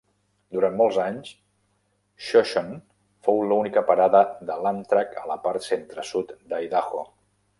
Durant molts anys, Shoshone fou l'única parada de l'Amtrak a la part centre-sud d'Idaho.